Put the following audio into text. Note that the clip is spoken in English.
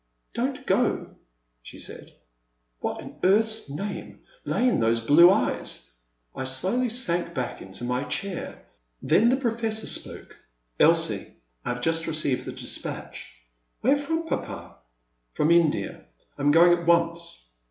"Don't go,*' she said. What in Heaven's name lay in those blue eyes ! I slowly sank back into my chair. Then the Professor spoke. Elsie, I have just received a dispatch." Where fi"om. Papa ?" From India. I 'm going at once."